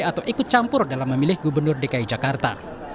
atau ikut campur dalam memilih gubernur dki jakarta